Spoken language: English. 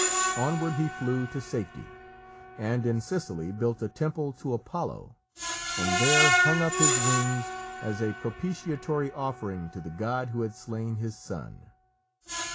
Onward he flew to safety, and in Sicily built a temple to Apollo, and there hung up his wings as a propitiatory offering to the god who had slain his son.